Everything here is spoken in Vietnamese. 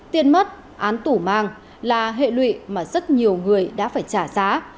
tiền mất án tủ mang là hệ lụy mà rất nhiều người đã phải trả giá